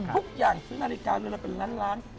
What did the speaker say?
ทุกอย่างซื้อนาฬิกาเวลาเป็นร้าน